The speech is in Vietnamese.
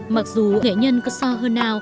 mặc dù nghệ nhân cơ so hơn ao